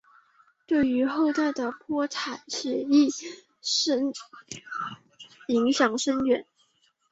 对于后代的泼彩写意影响深远。